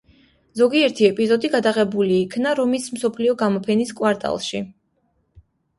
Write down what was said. ზოგიერთი ეპიზოდი გადაღებული იქნა რომის მსოფლიო გამოფენის კვარტალში.